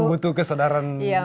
butuh kesadaran bersama ya